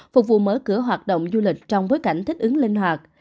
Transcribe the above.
phục vụ mở cửa hoạt động du lịch trong bối cảnh thích ứng linh hoạt